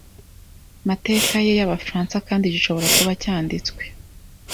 mateka ye yAbafaransa kandi gishobora kuba cyanditswe